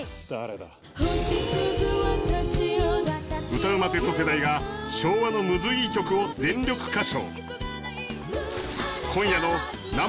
歌うまＺ世代が昭和のムズいい曲を全力歌唱。